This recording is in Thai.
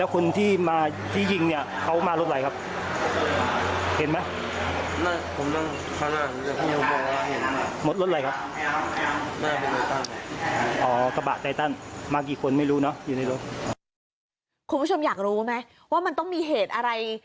คุณผู้ชมอยากรู้ไหมว่ามันต้องมีเหตุอะไร